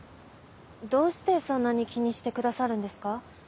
どうしてそんなに気にしてくださるんですか？